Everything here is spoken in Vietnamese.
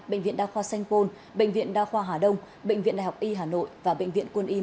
bệnh viện đa khoa xanh côn bệnh viện đa khoa hà đông bệnh viện đại học y hà nội và bệnh viện quân y một trăm linh ba